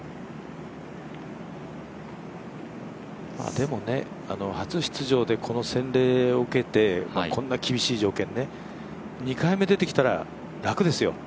でもね、初出場でこの洗礼を受けてこんな厳しい条件ね２回目出てきたら楽ですよ。